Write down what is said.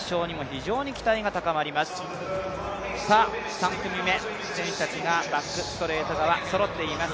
３組目、選手たちがバックストレート側、そろっています。